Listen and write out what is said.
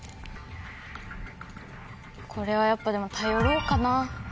これはやっぱでも頼ろうかな。